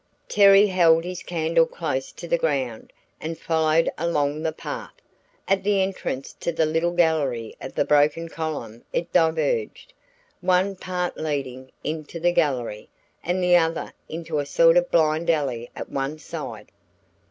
Terry held his candle close to the ground and followed along the path. At the entrance to the little gallery of the broken column it diverged, one part leading into the gallery, and the other into a sort of blind alley at one side.